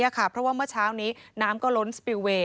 เพราะว่าเมื่อเช้านี้น้ำก็ล้นสปิลเวย์